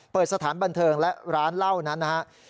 เปิดสถานบันเทิงและร้านเหล้านั้นนะครับ